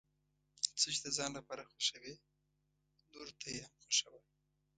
څه چې د ځان لپاره خوښوې نورو ته یې هم خوښوه.